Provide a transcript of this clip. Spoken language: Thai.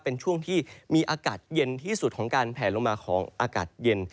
เป็นช่วงที่มีอากาศเย็นที่สุดของการแผลลงมาของอากาศเย็น